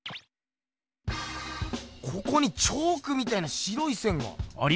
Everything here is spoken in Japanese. ここにチョークみたいな白い線が。ありますね。